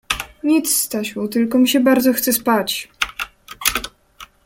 — Nic, Stasiu, tylko mi się bardzo chce spać.